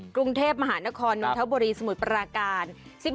กรุงเทพมหานครน้องเท้าบรีสมุทรประการ